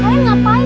balikin dari situ